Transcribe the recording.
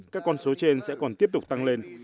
các con số trên sẽ còn tiếp tục tăng lên